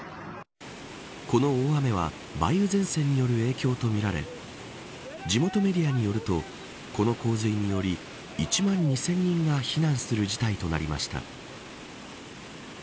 この大雨は梅雨前線の影響とみられ地元メディアによるとこの洪水により１万２０００人が避難する事態となりました。